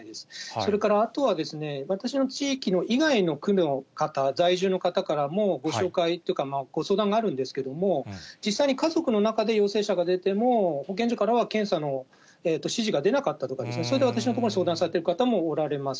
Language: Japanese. それからあとは私の地域以外の区の方、在住の方からもご紹介っていうか、ご相談があるんですけれども、実際に家族の中で陽性者が出ても、保健所からは検査の指示が出なかったとかですね、それで私のところに相談されている方もおられます。